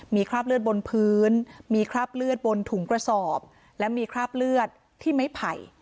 มีคราบเลือดบนพื้นมีคราบเลือดบนถุงกระสอบและมีคราบเลือดที่ไม้ไผ่